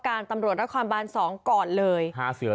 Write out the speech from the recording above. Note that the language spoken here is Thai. เท่าที่เราก็มีเนื้อที่ในการสืบสวน